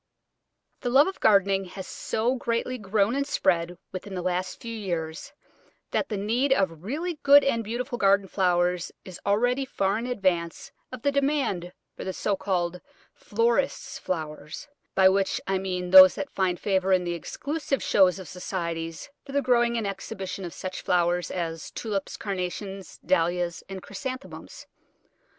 The love of gardening has so greatly grown and spread within the last few years, that the need of really good and beautiful garden flowers is already far in advance of the demand for the so called "florists" flowers, by which I mean those that find favour in the exclusive shows of Societies for the growing and exhibition of such flowers as Tulips, Carnations, Dahlias, and Chrysanthemums.